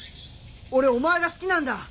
俺お前が好きなんだ！